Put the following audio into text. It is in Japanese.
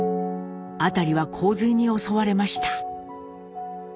辺りは洪水に襲われました。